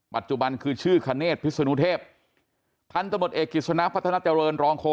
ปัจจุบันคือชื่อคเนศพิษนุเทพท่านตบทเอกกิจสนัพพัศนาแต่ริร์นรองโครศก